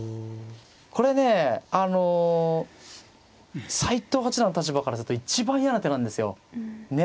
これねあの斎藤八段の立場からすると一番嫌な手なんですよ。ね。